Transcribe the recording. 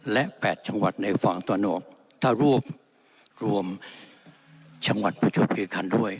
และ๘จังหวัดในฝั่งตอนอบถ้ารวบรวมจังหวัดประชุดพลีคันด้วย